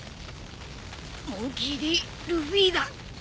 モンキー・Ｄ・ルフィだ。